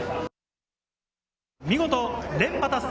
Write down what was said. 見事連覇達成！